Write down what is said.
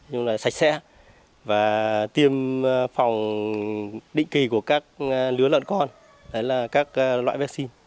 nhưng là sạch sẽ và tiêm phòng định kỳ của các lứa lợn con đó là các loại vệ sinh